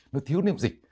nó thiếu niêm dịch